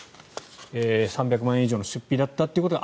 ３００万円以上の出費だったということが